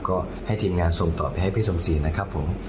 ก็ให้ทีมงานส่งต่อไปให้พี่สมศรีนะครับผม